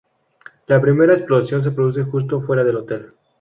La primera explosión se produce justo fuera del hotel.